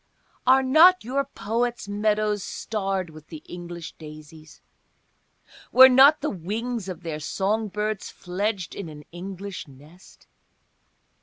Are not your poets' meadows starred with the English daisies? Were not the wings of their song birds fledged in an English nest?